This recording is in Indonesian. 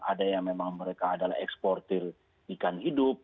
ada yang memang mereka adalah eksportir ikan hidup